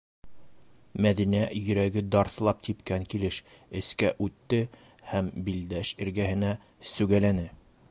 Мәҙинә йөрәге дарҫлап типкән килеш эскә үтте һәм Билдәш эргәһенә сүгәләне: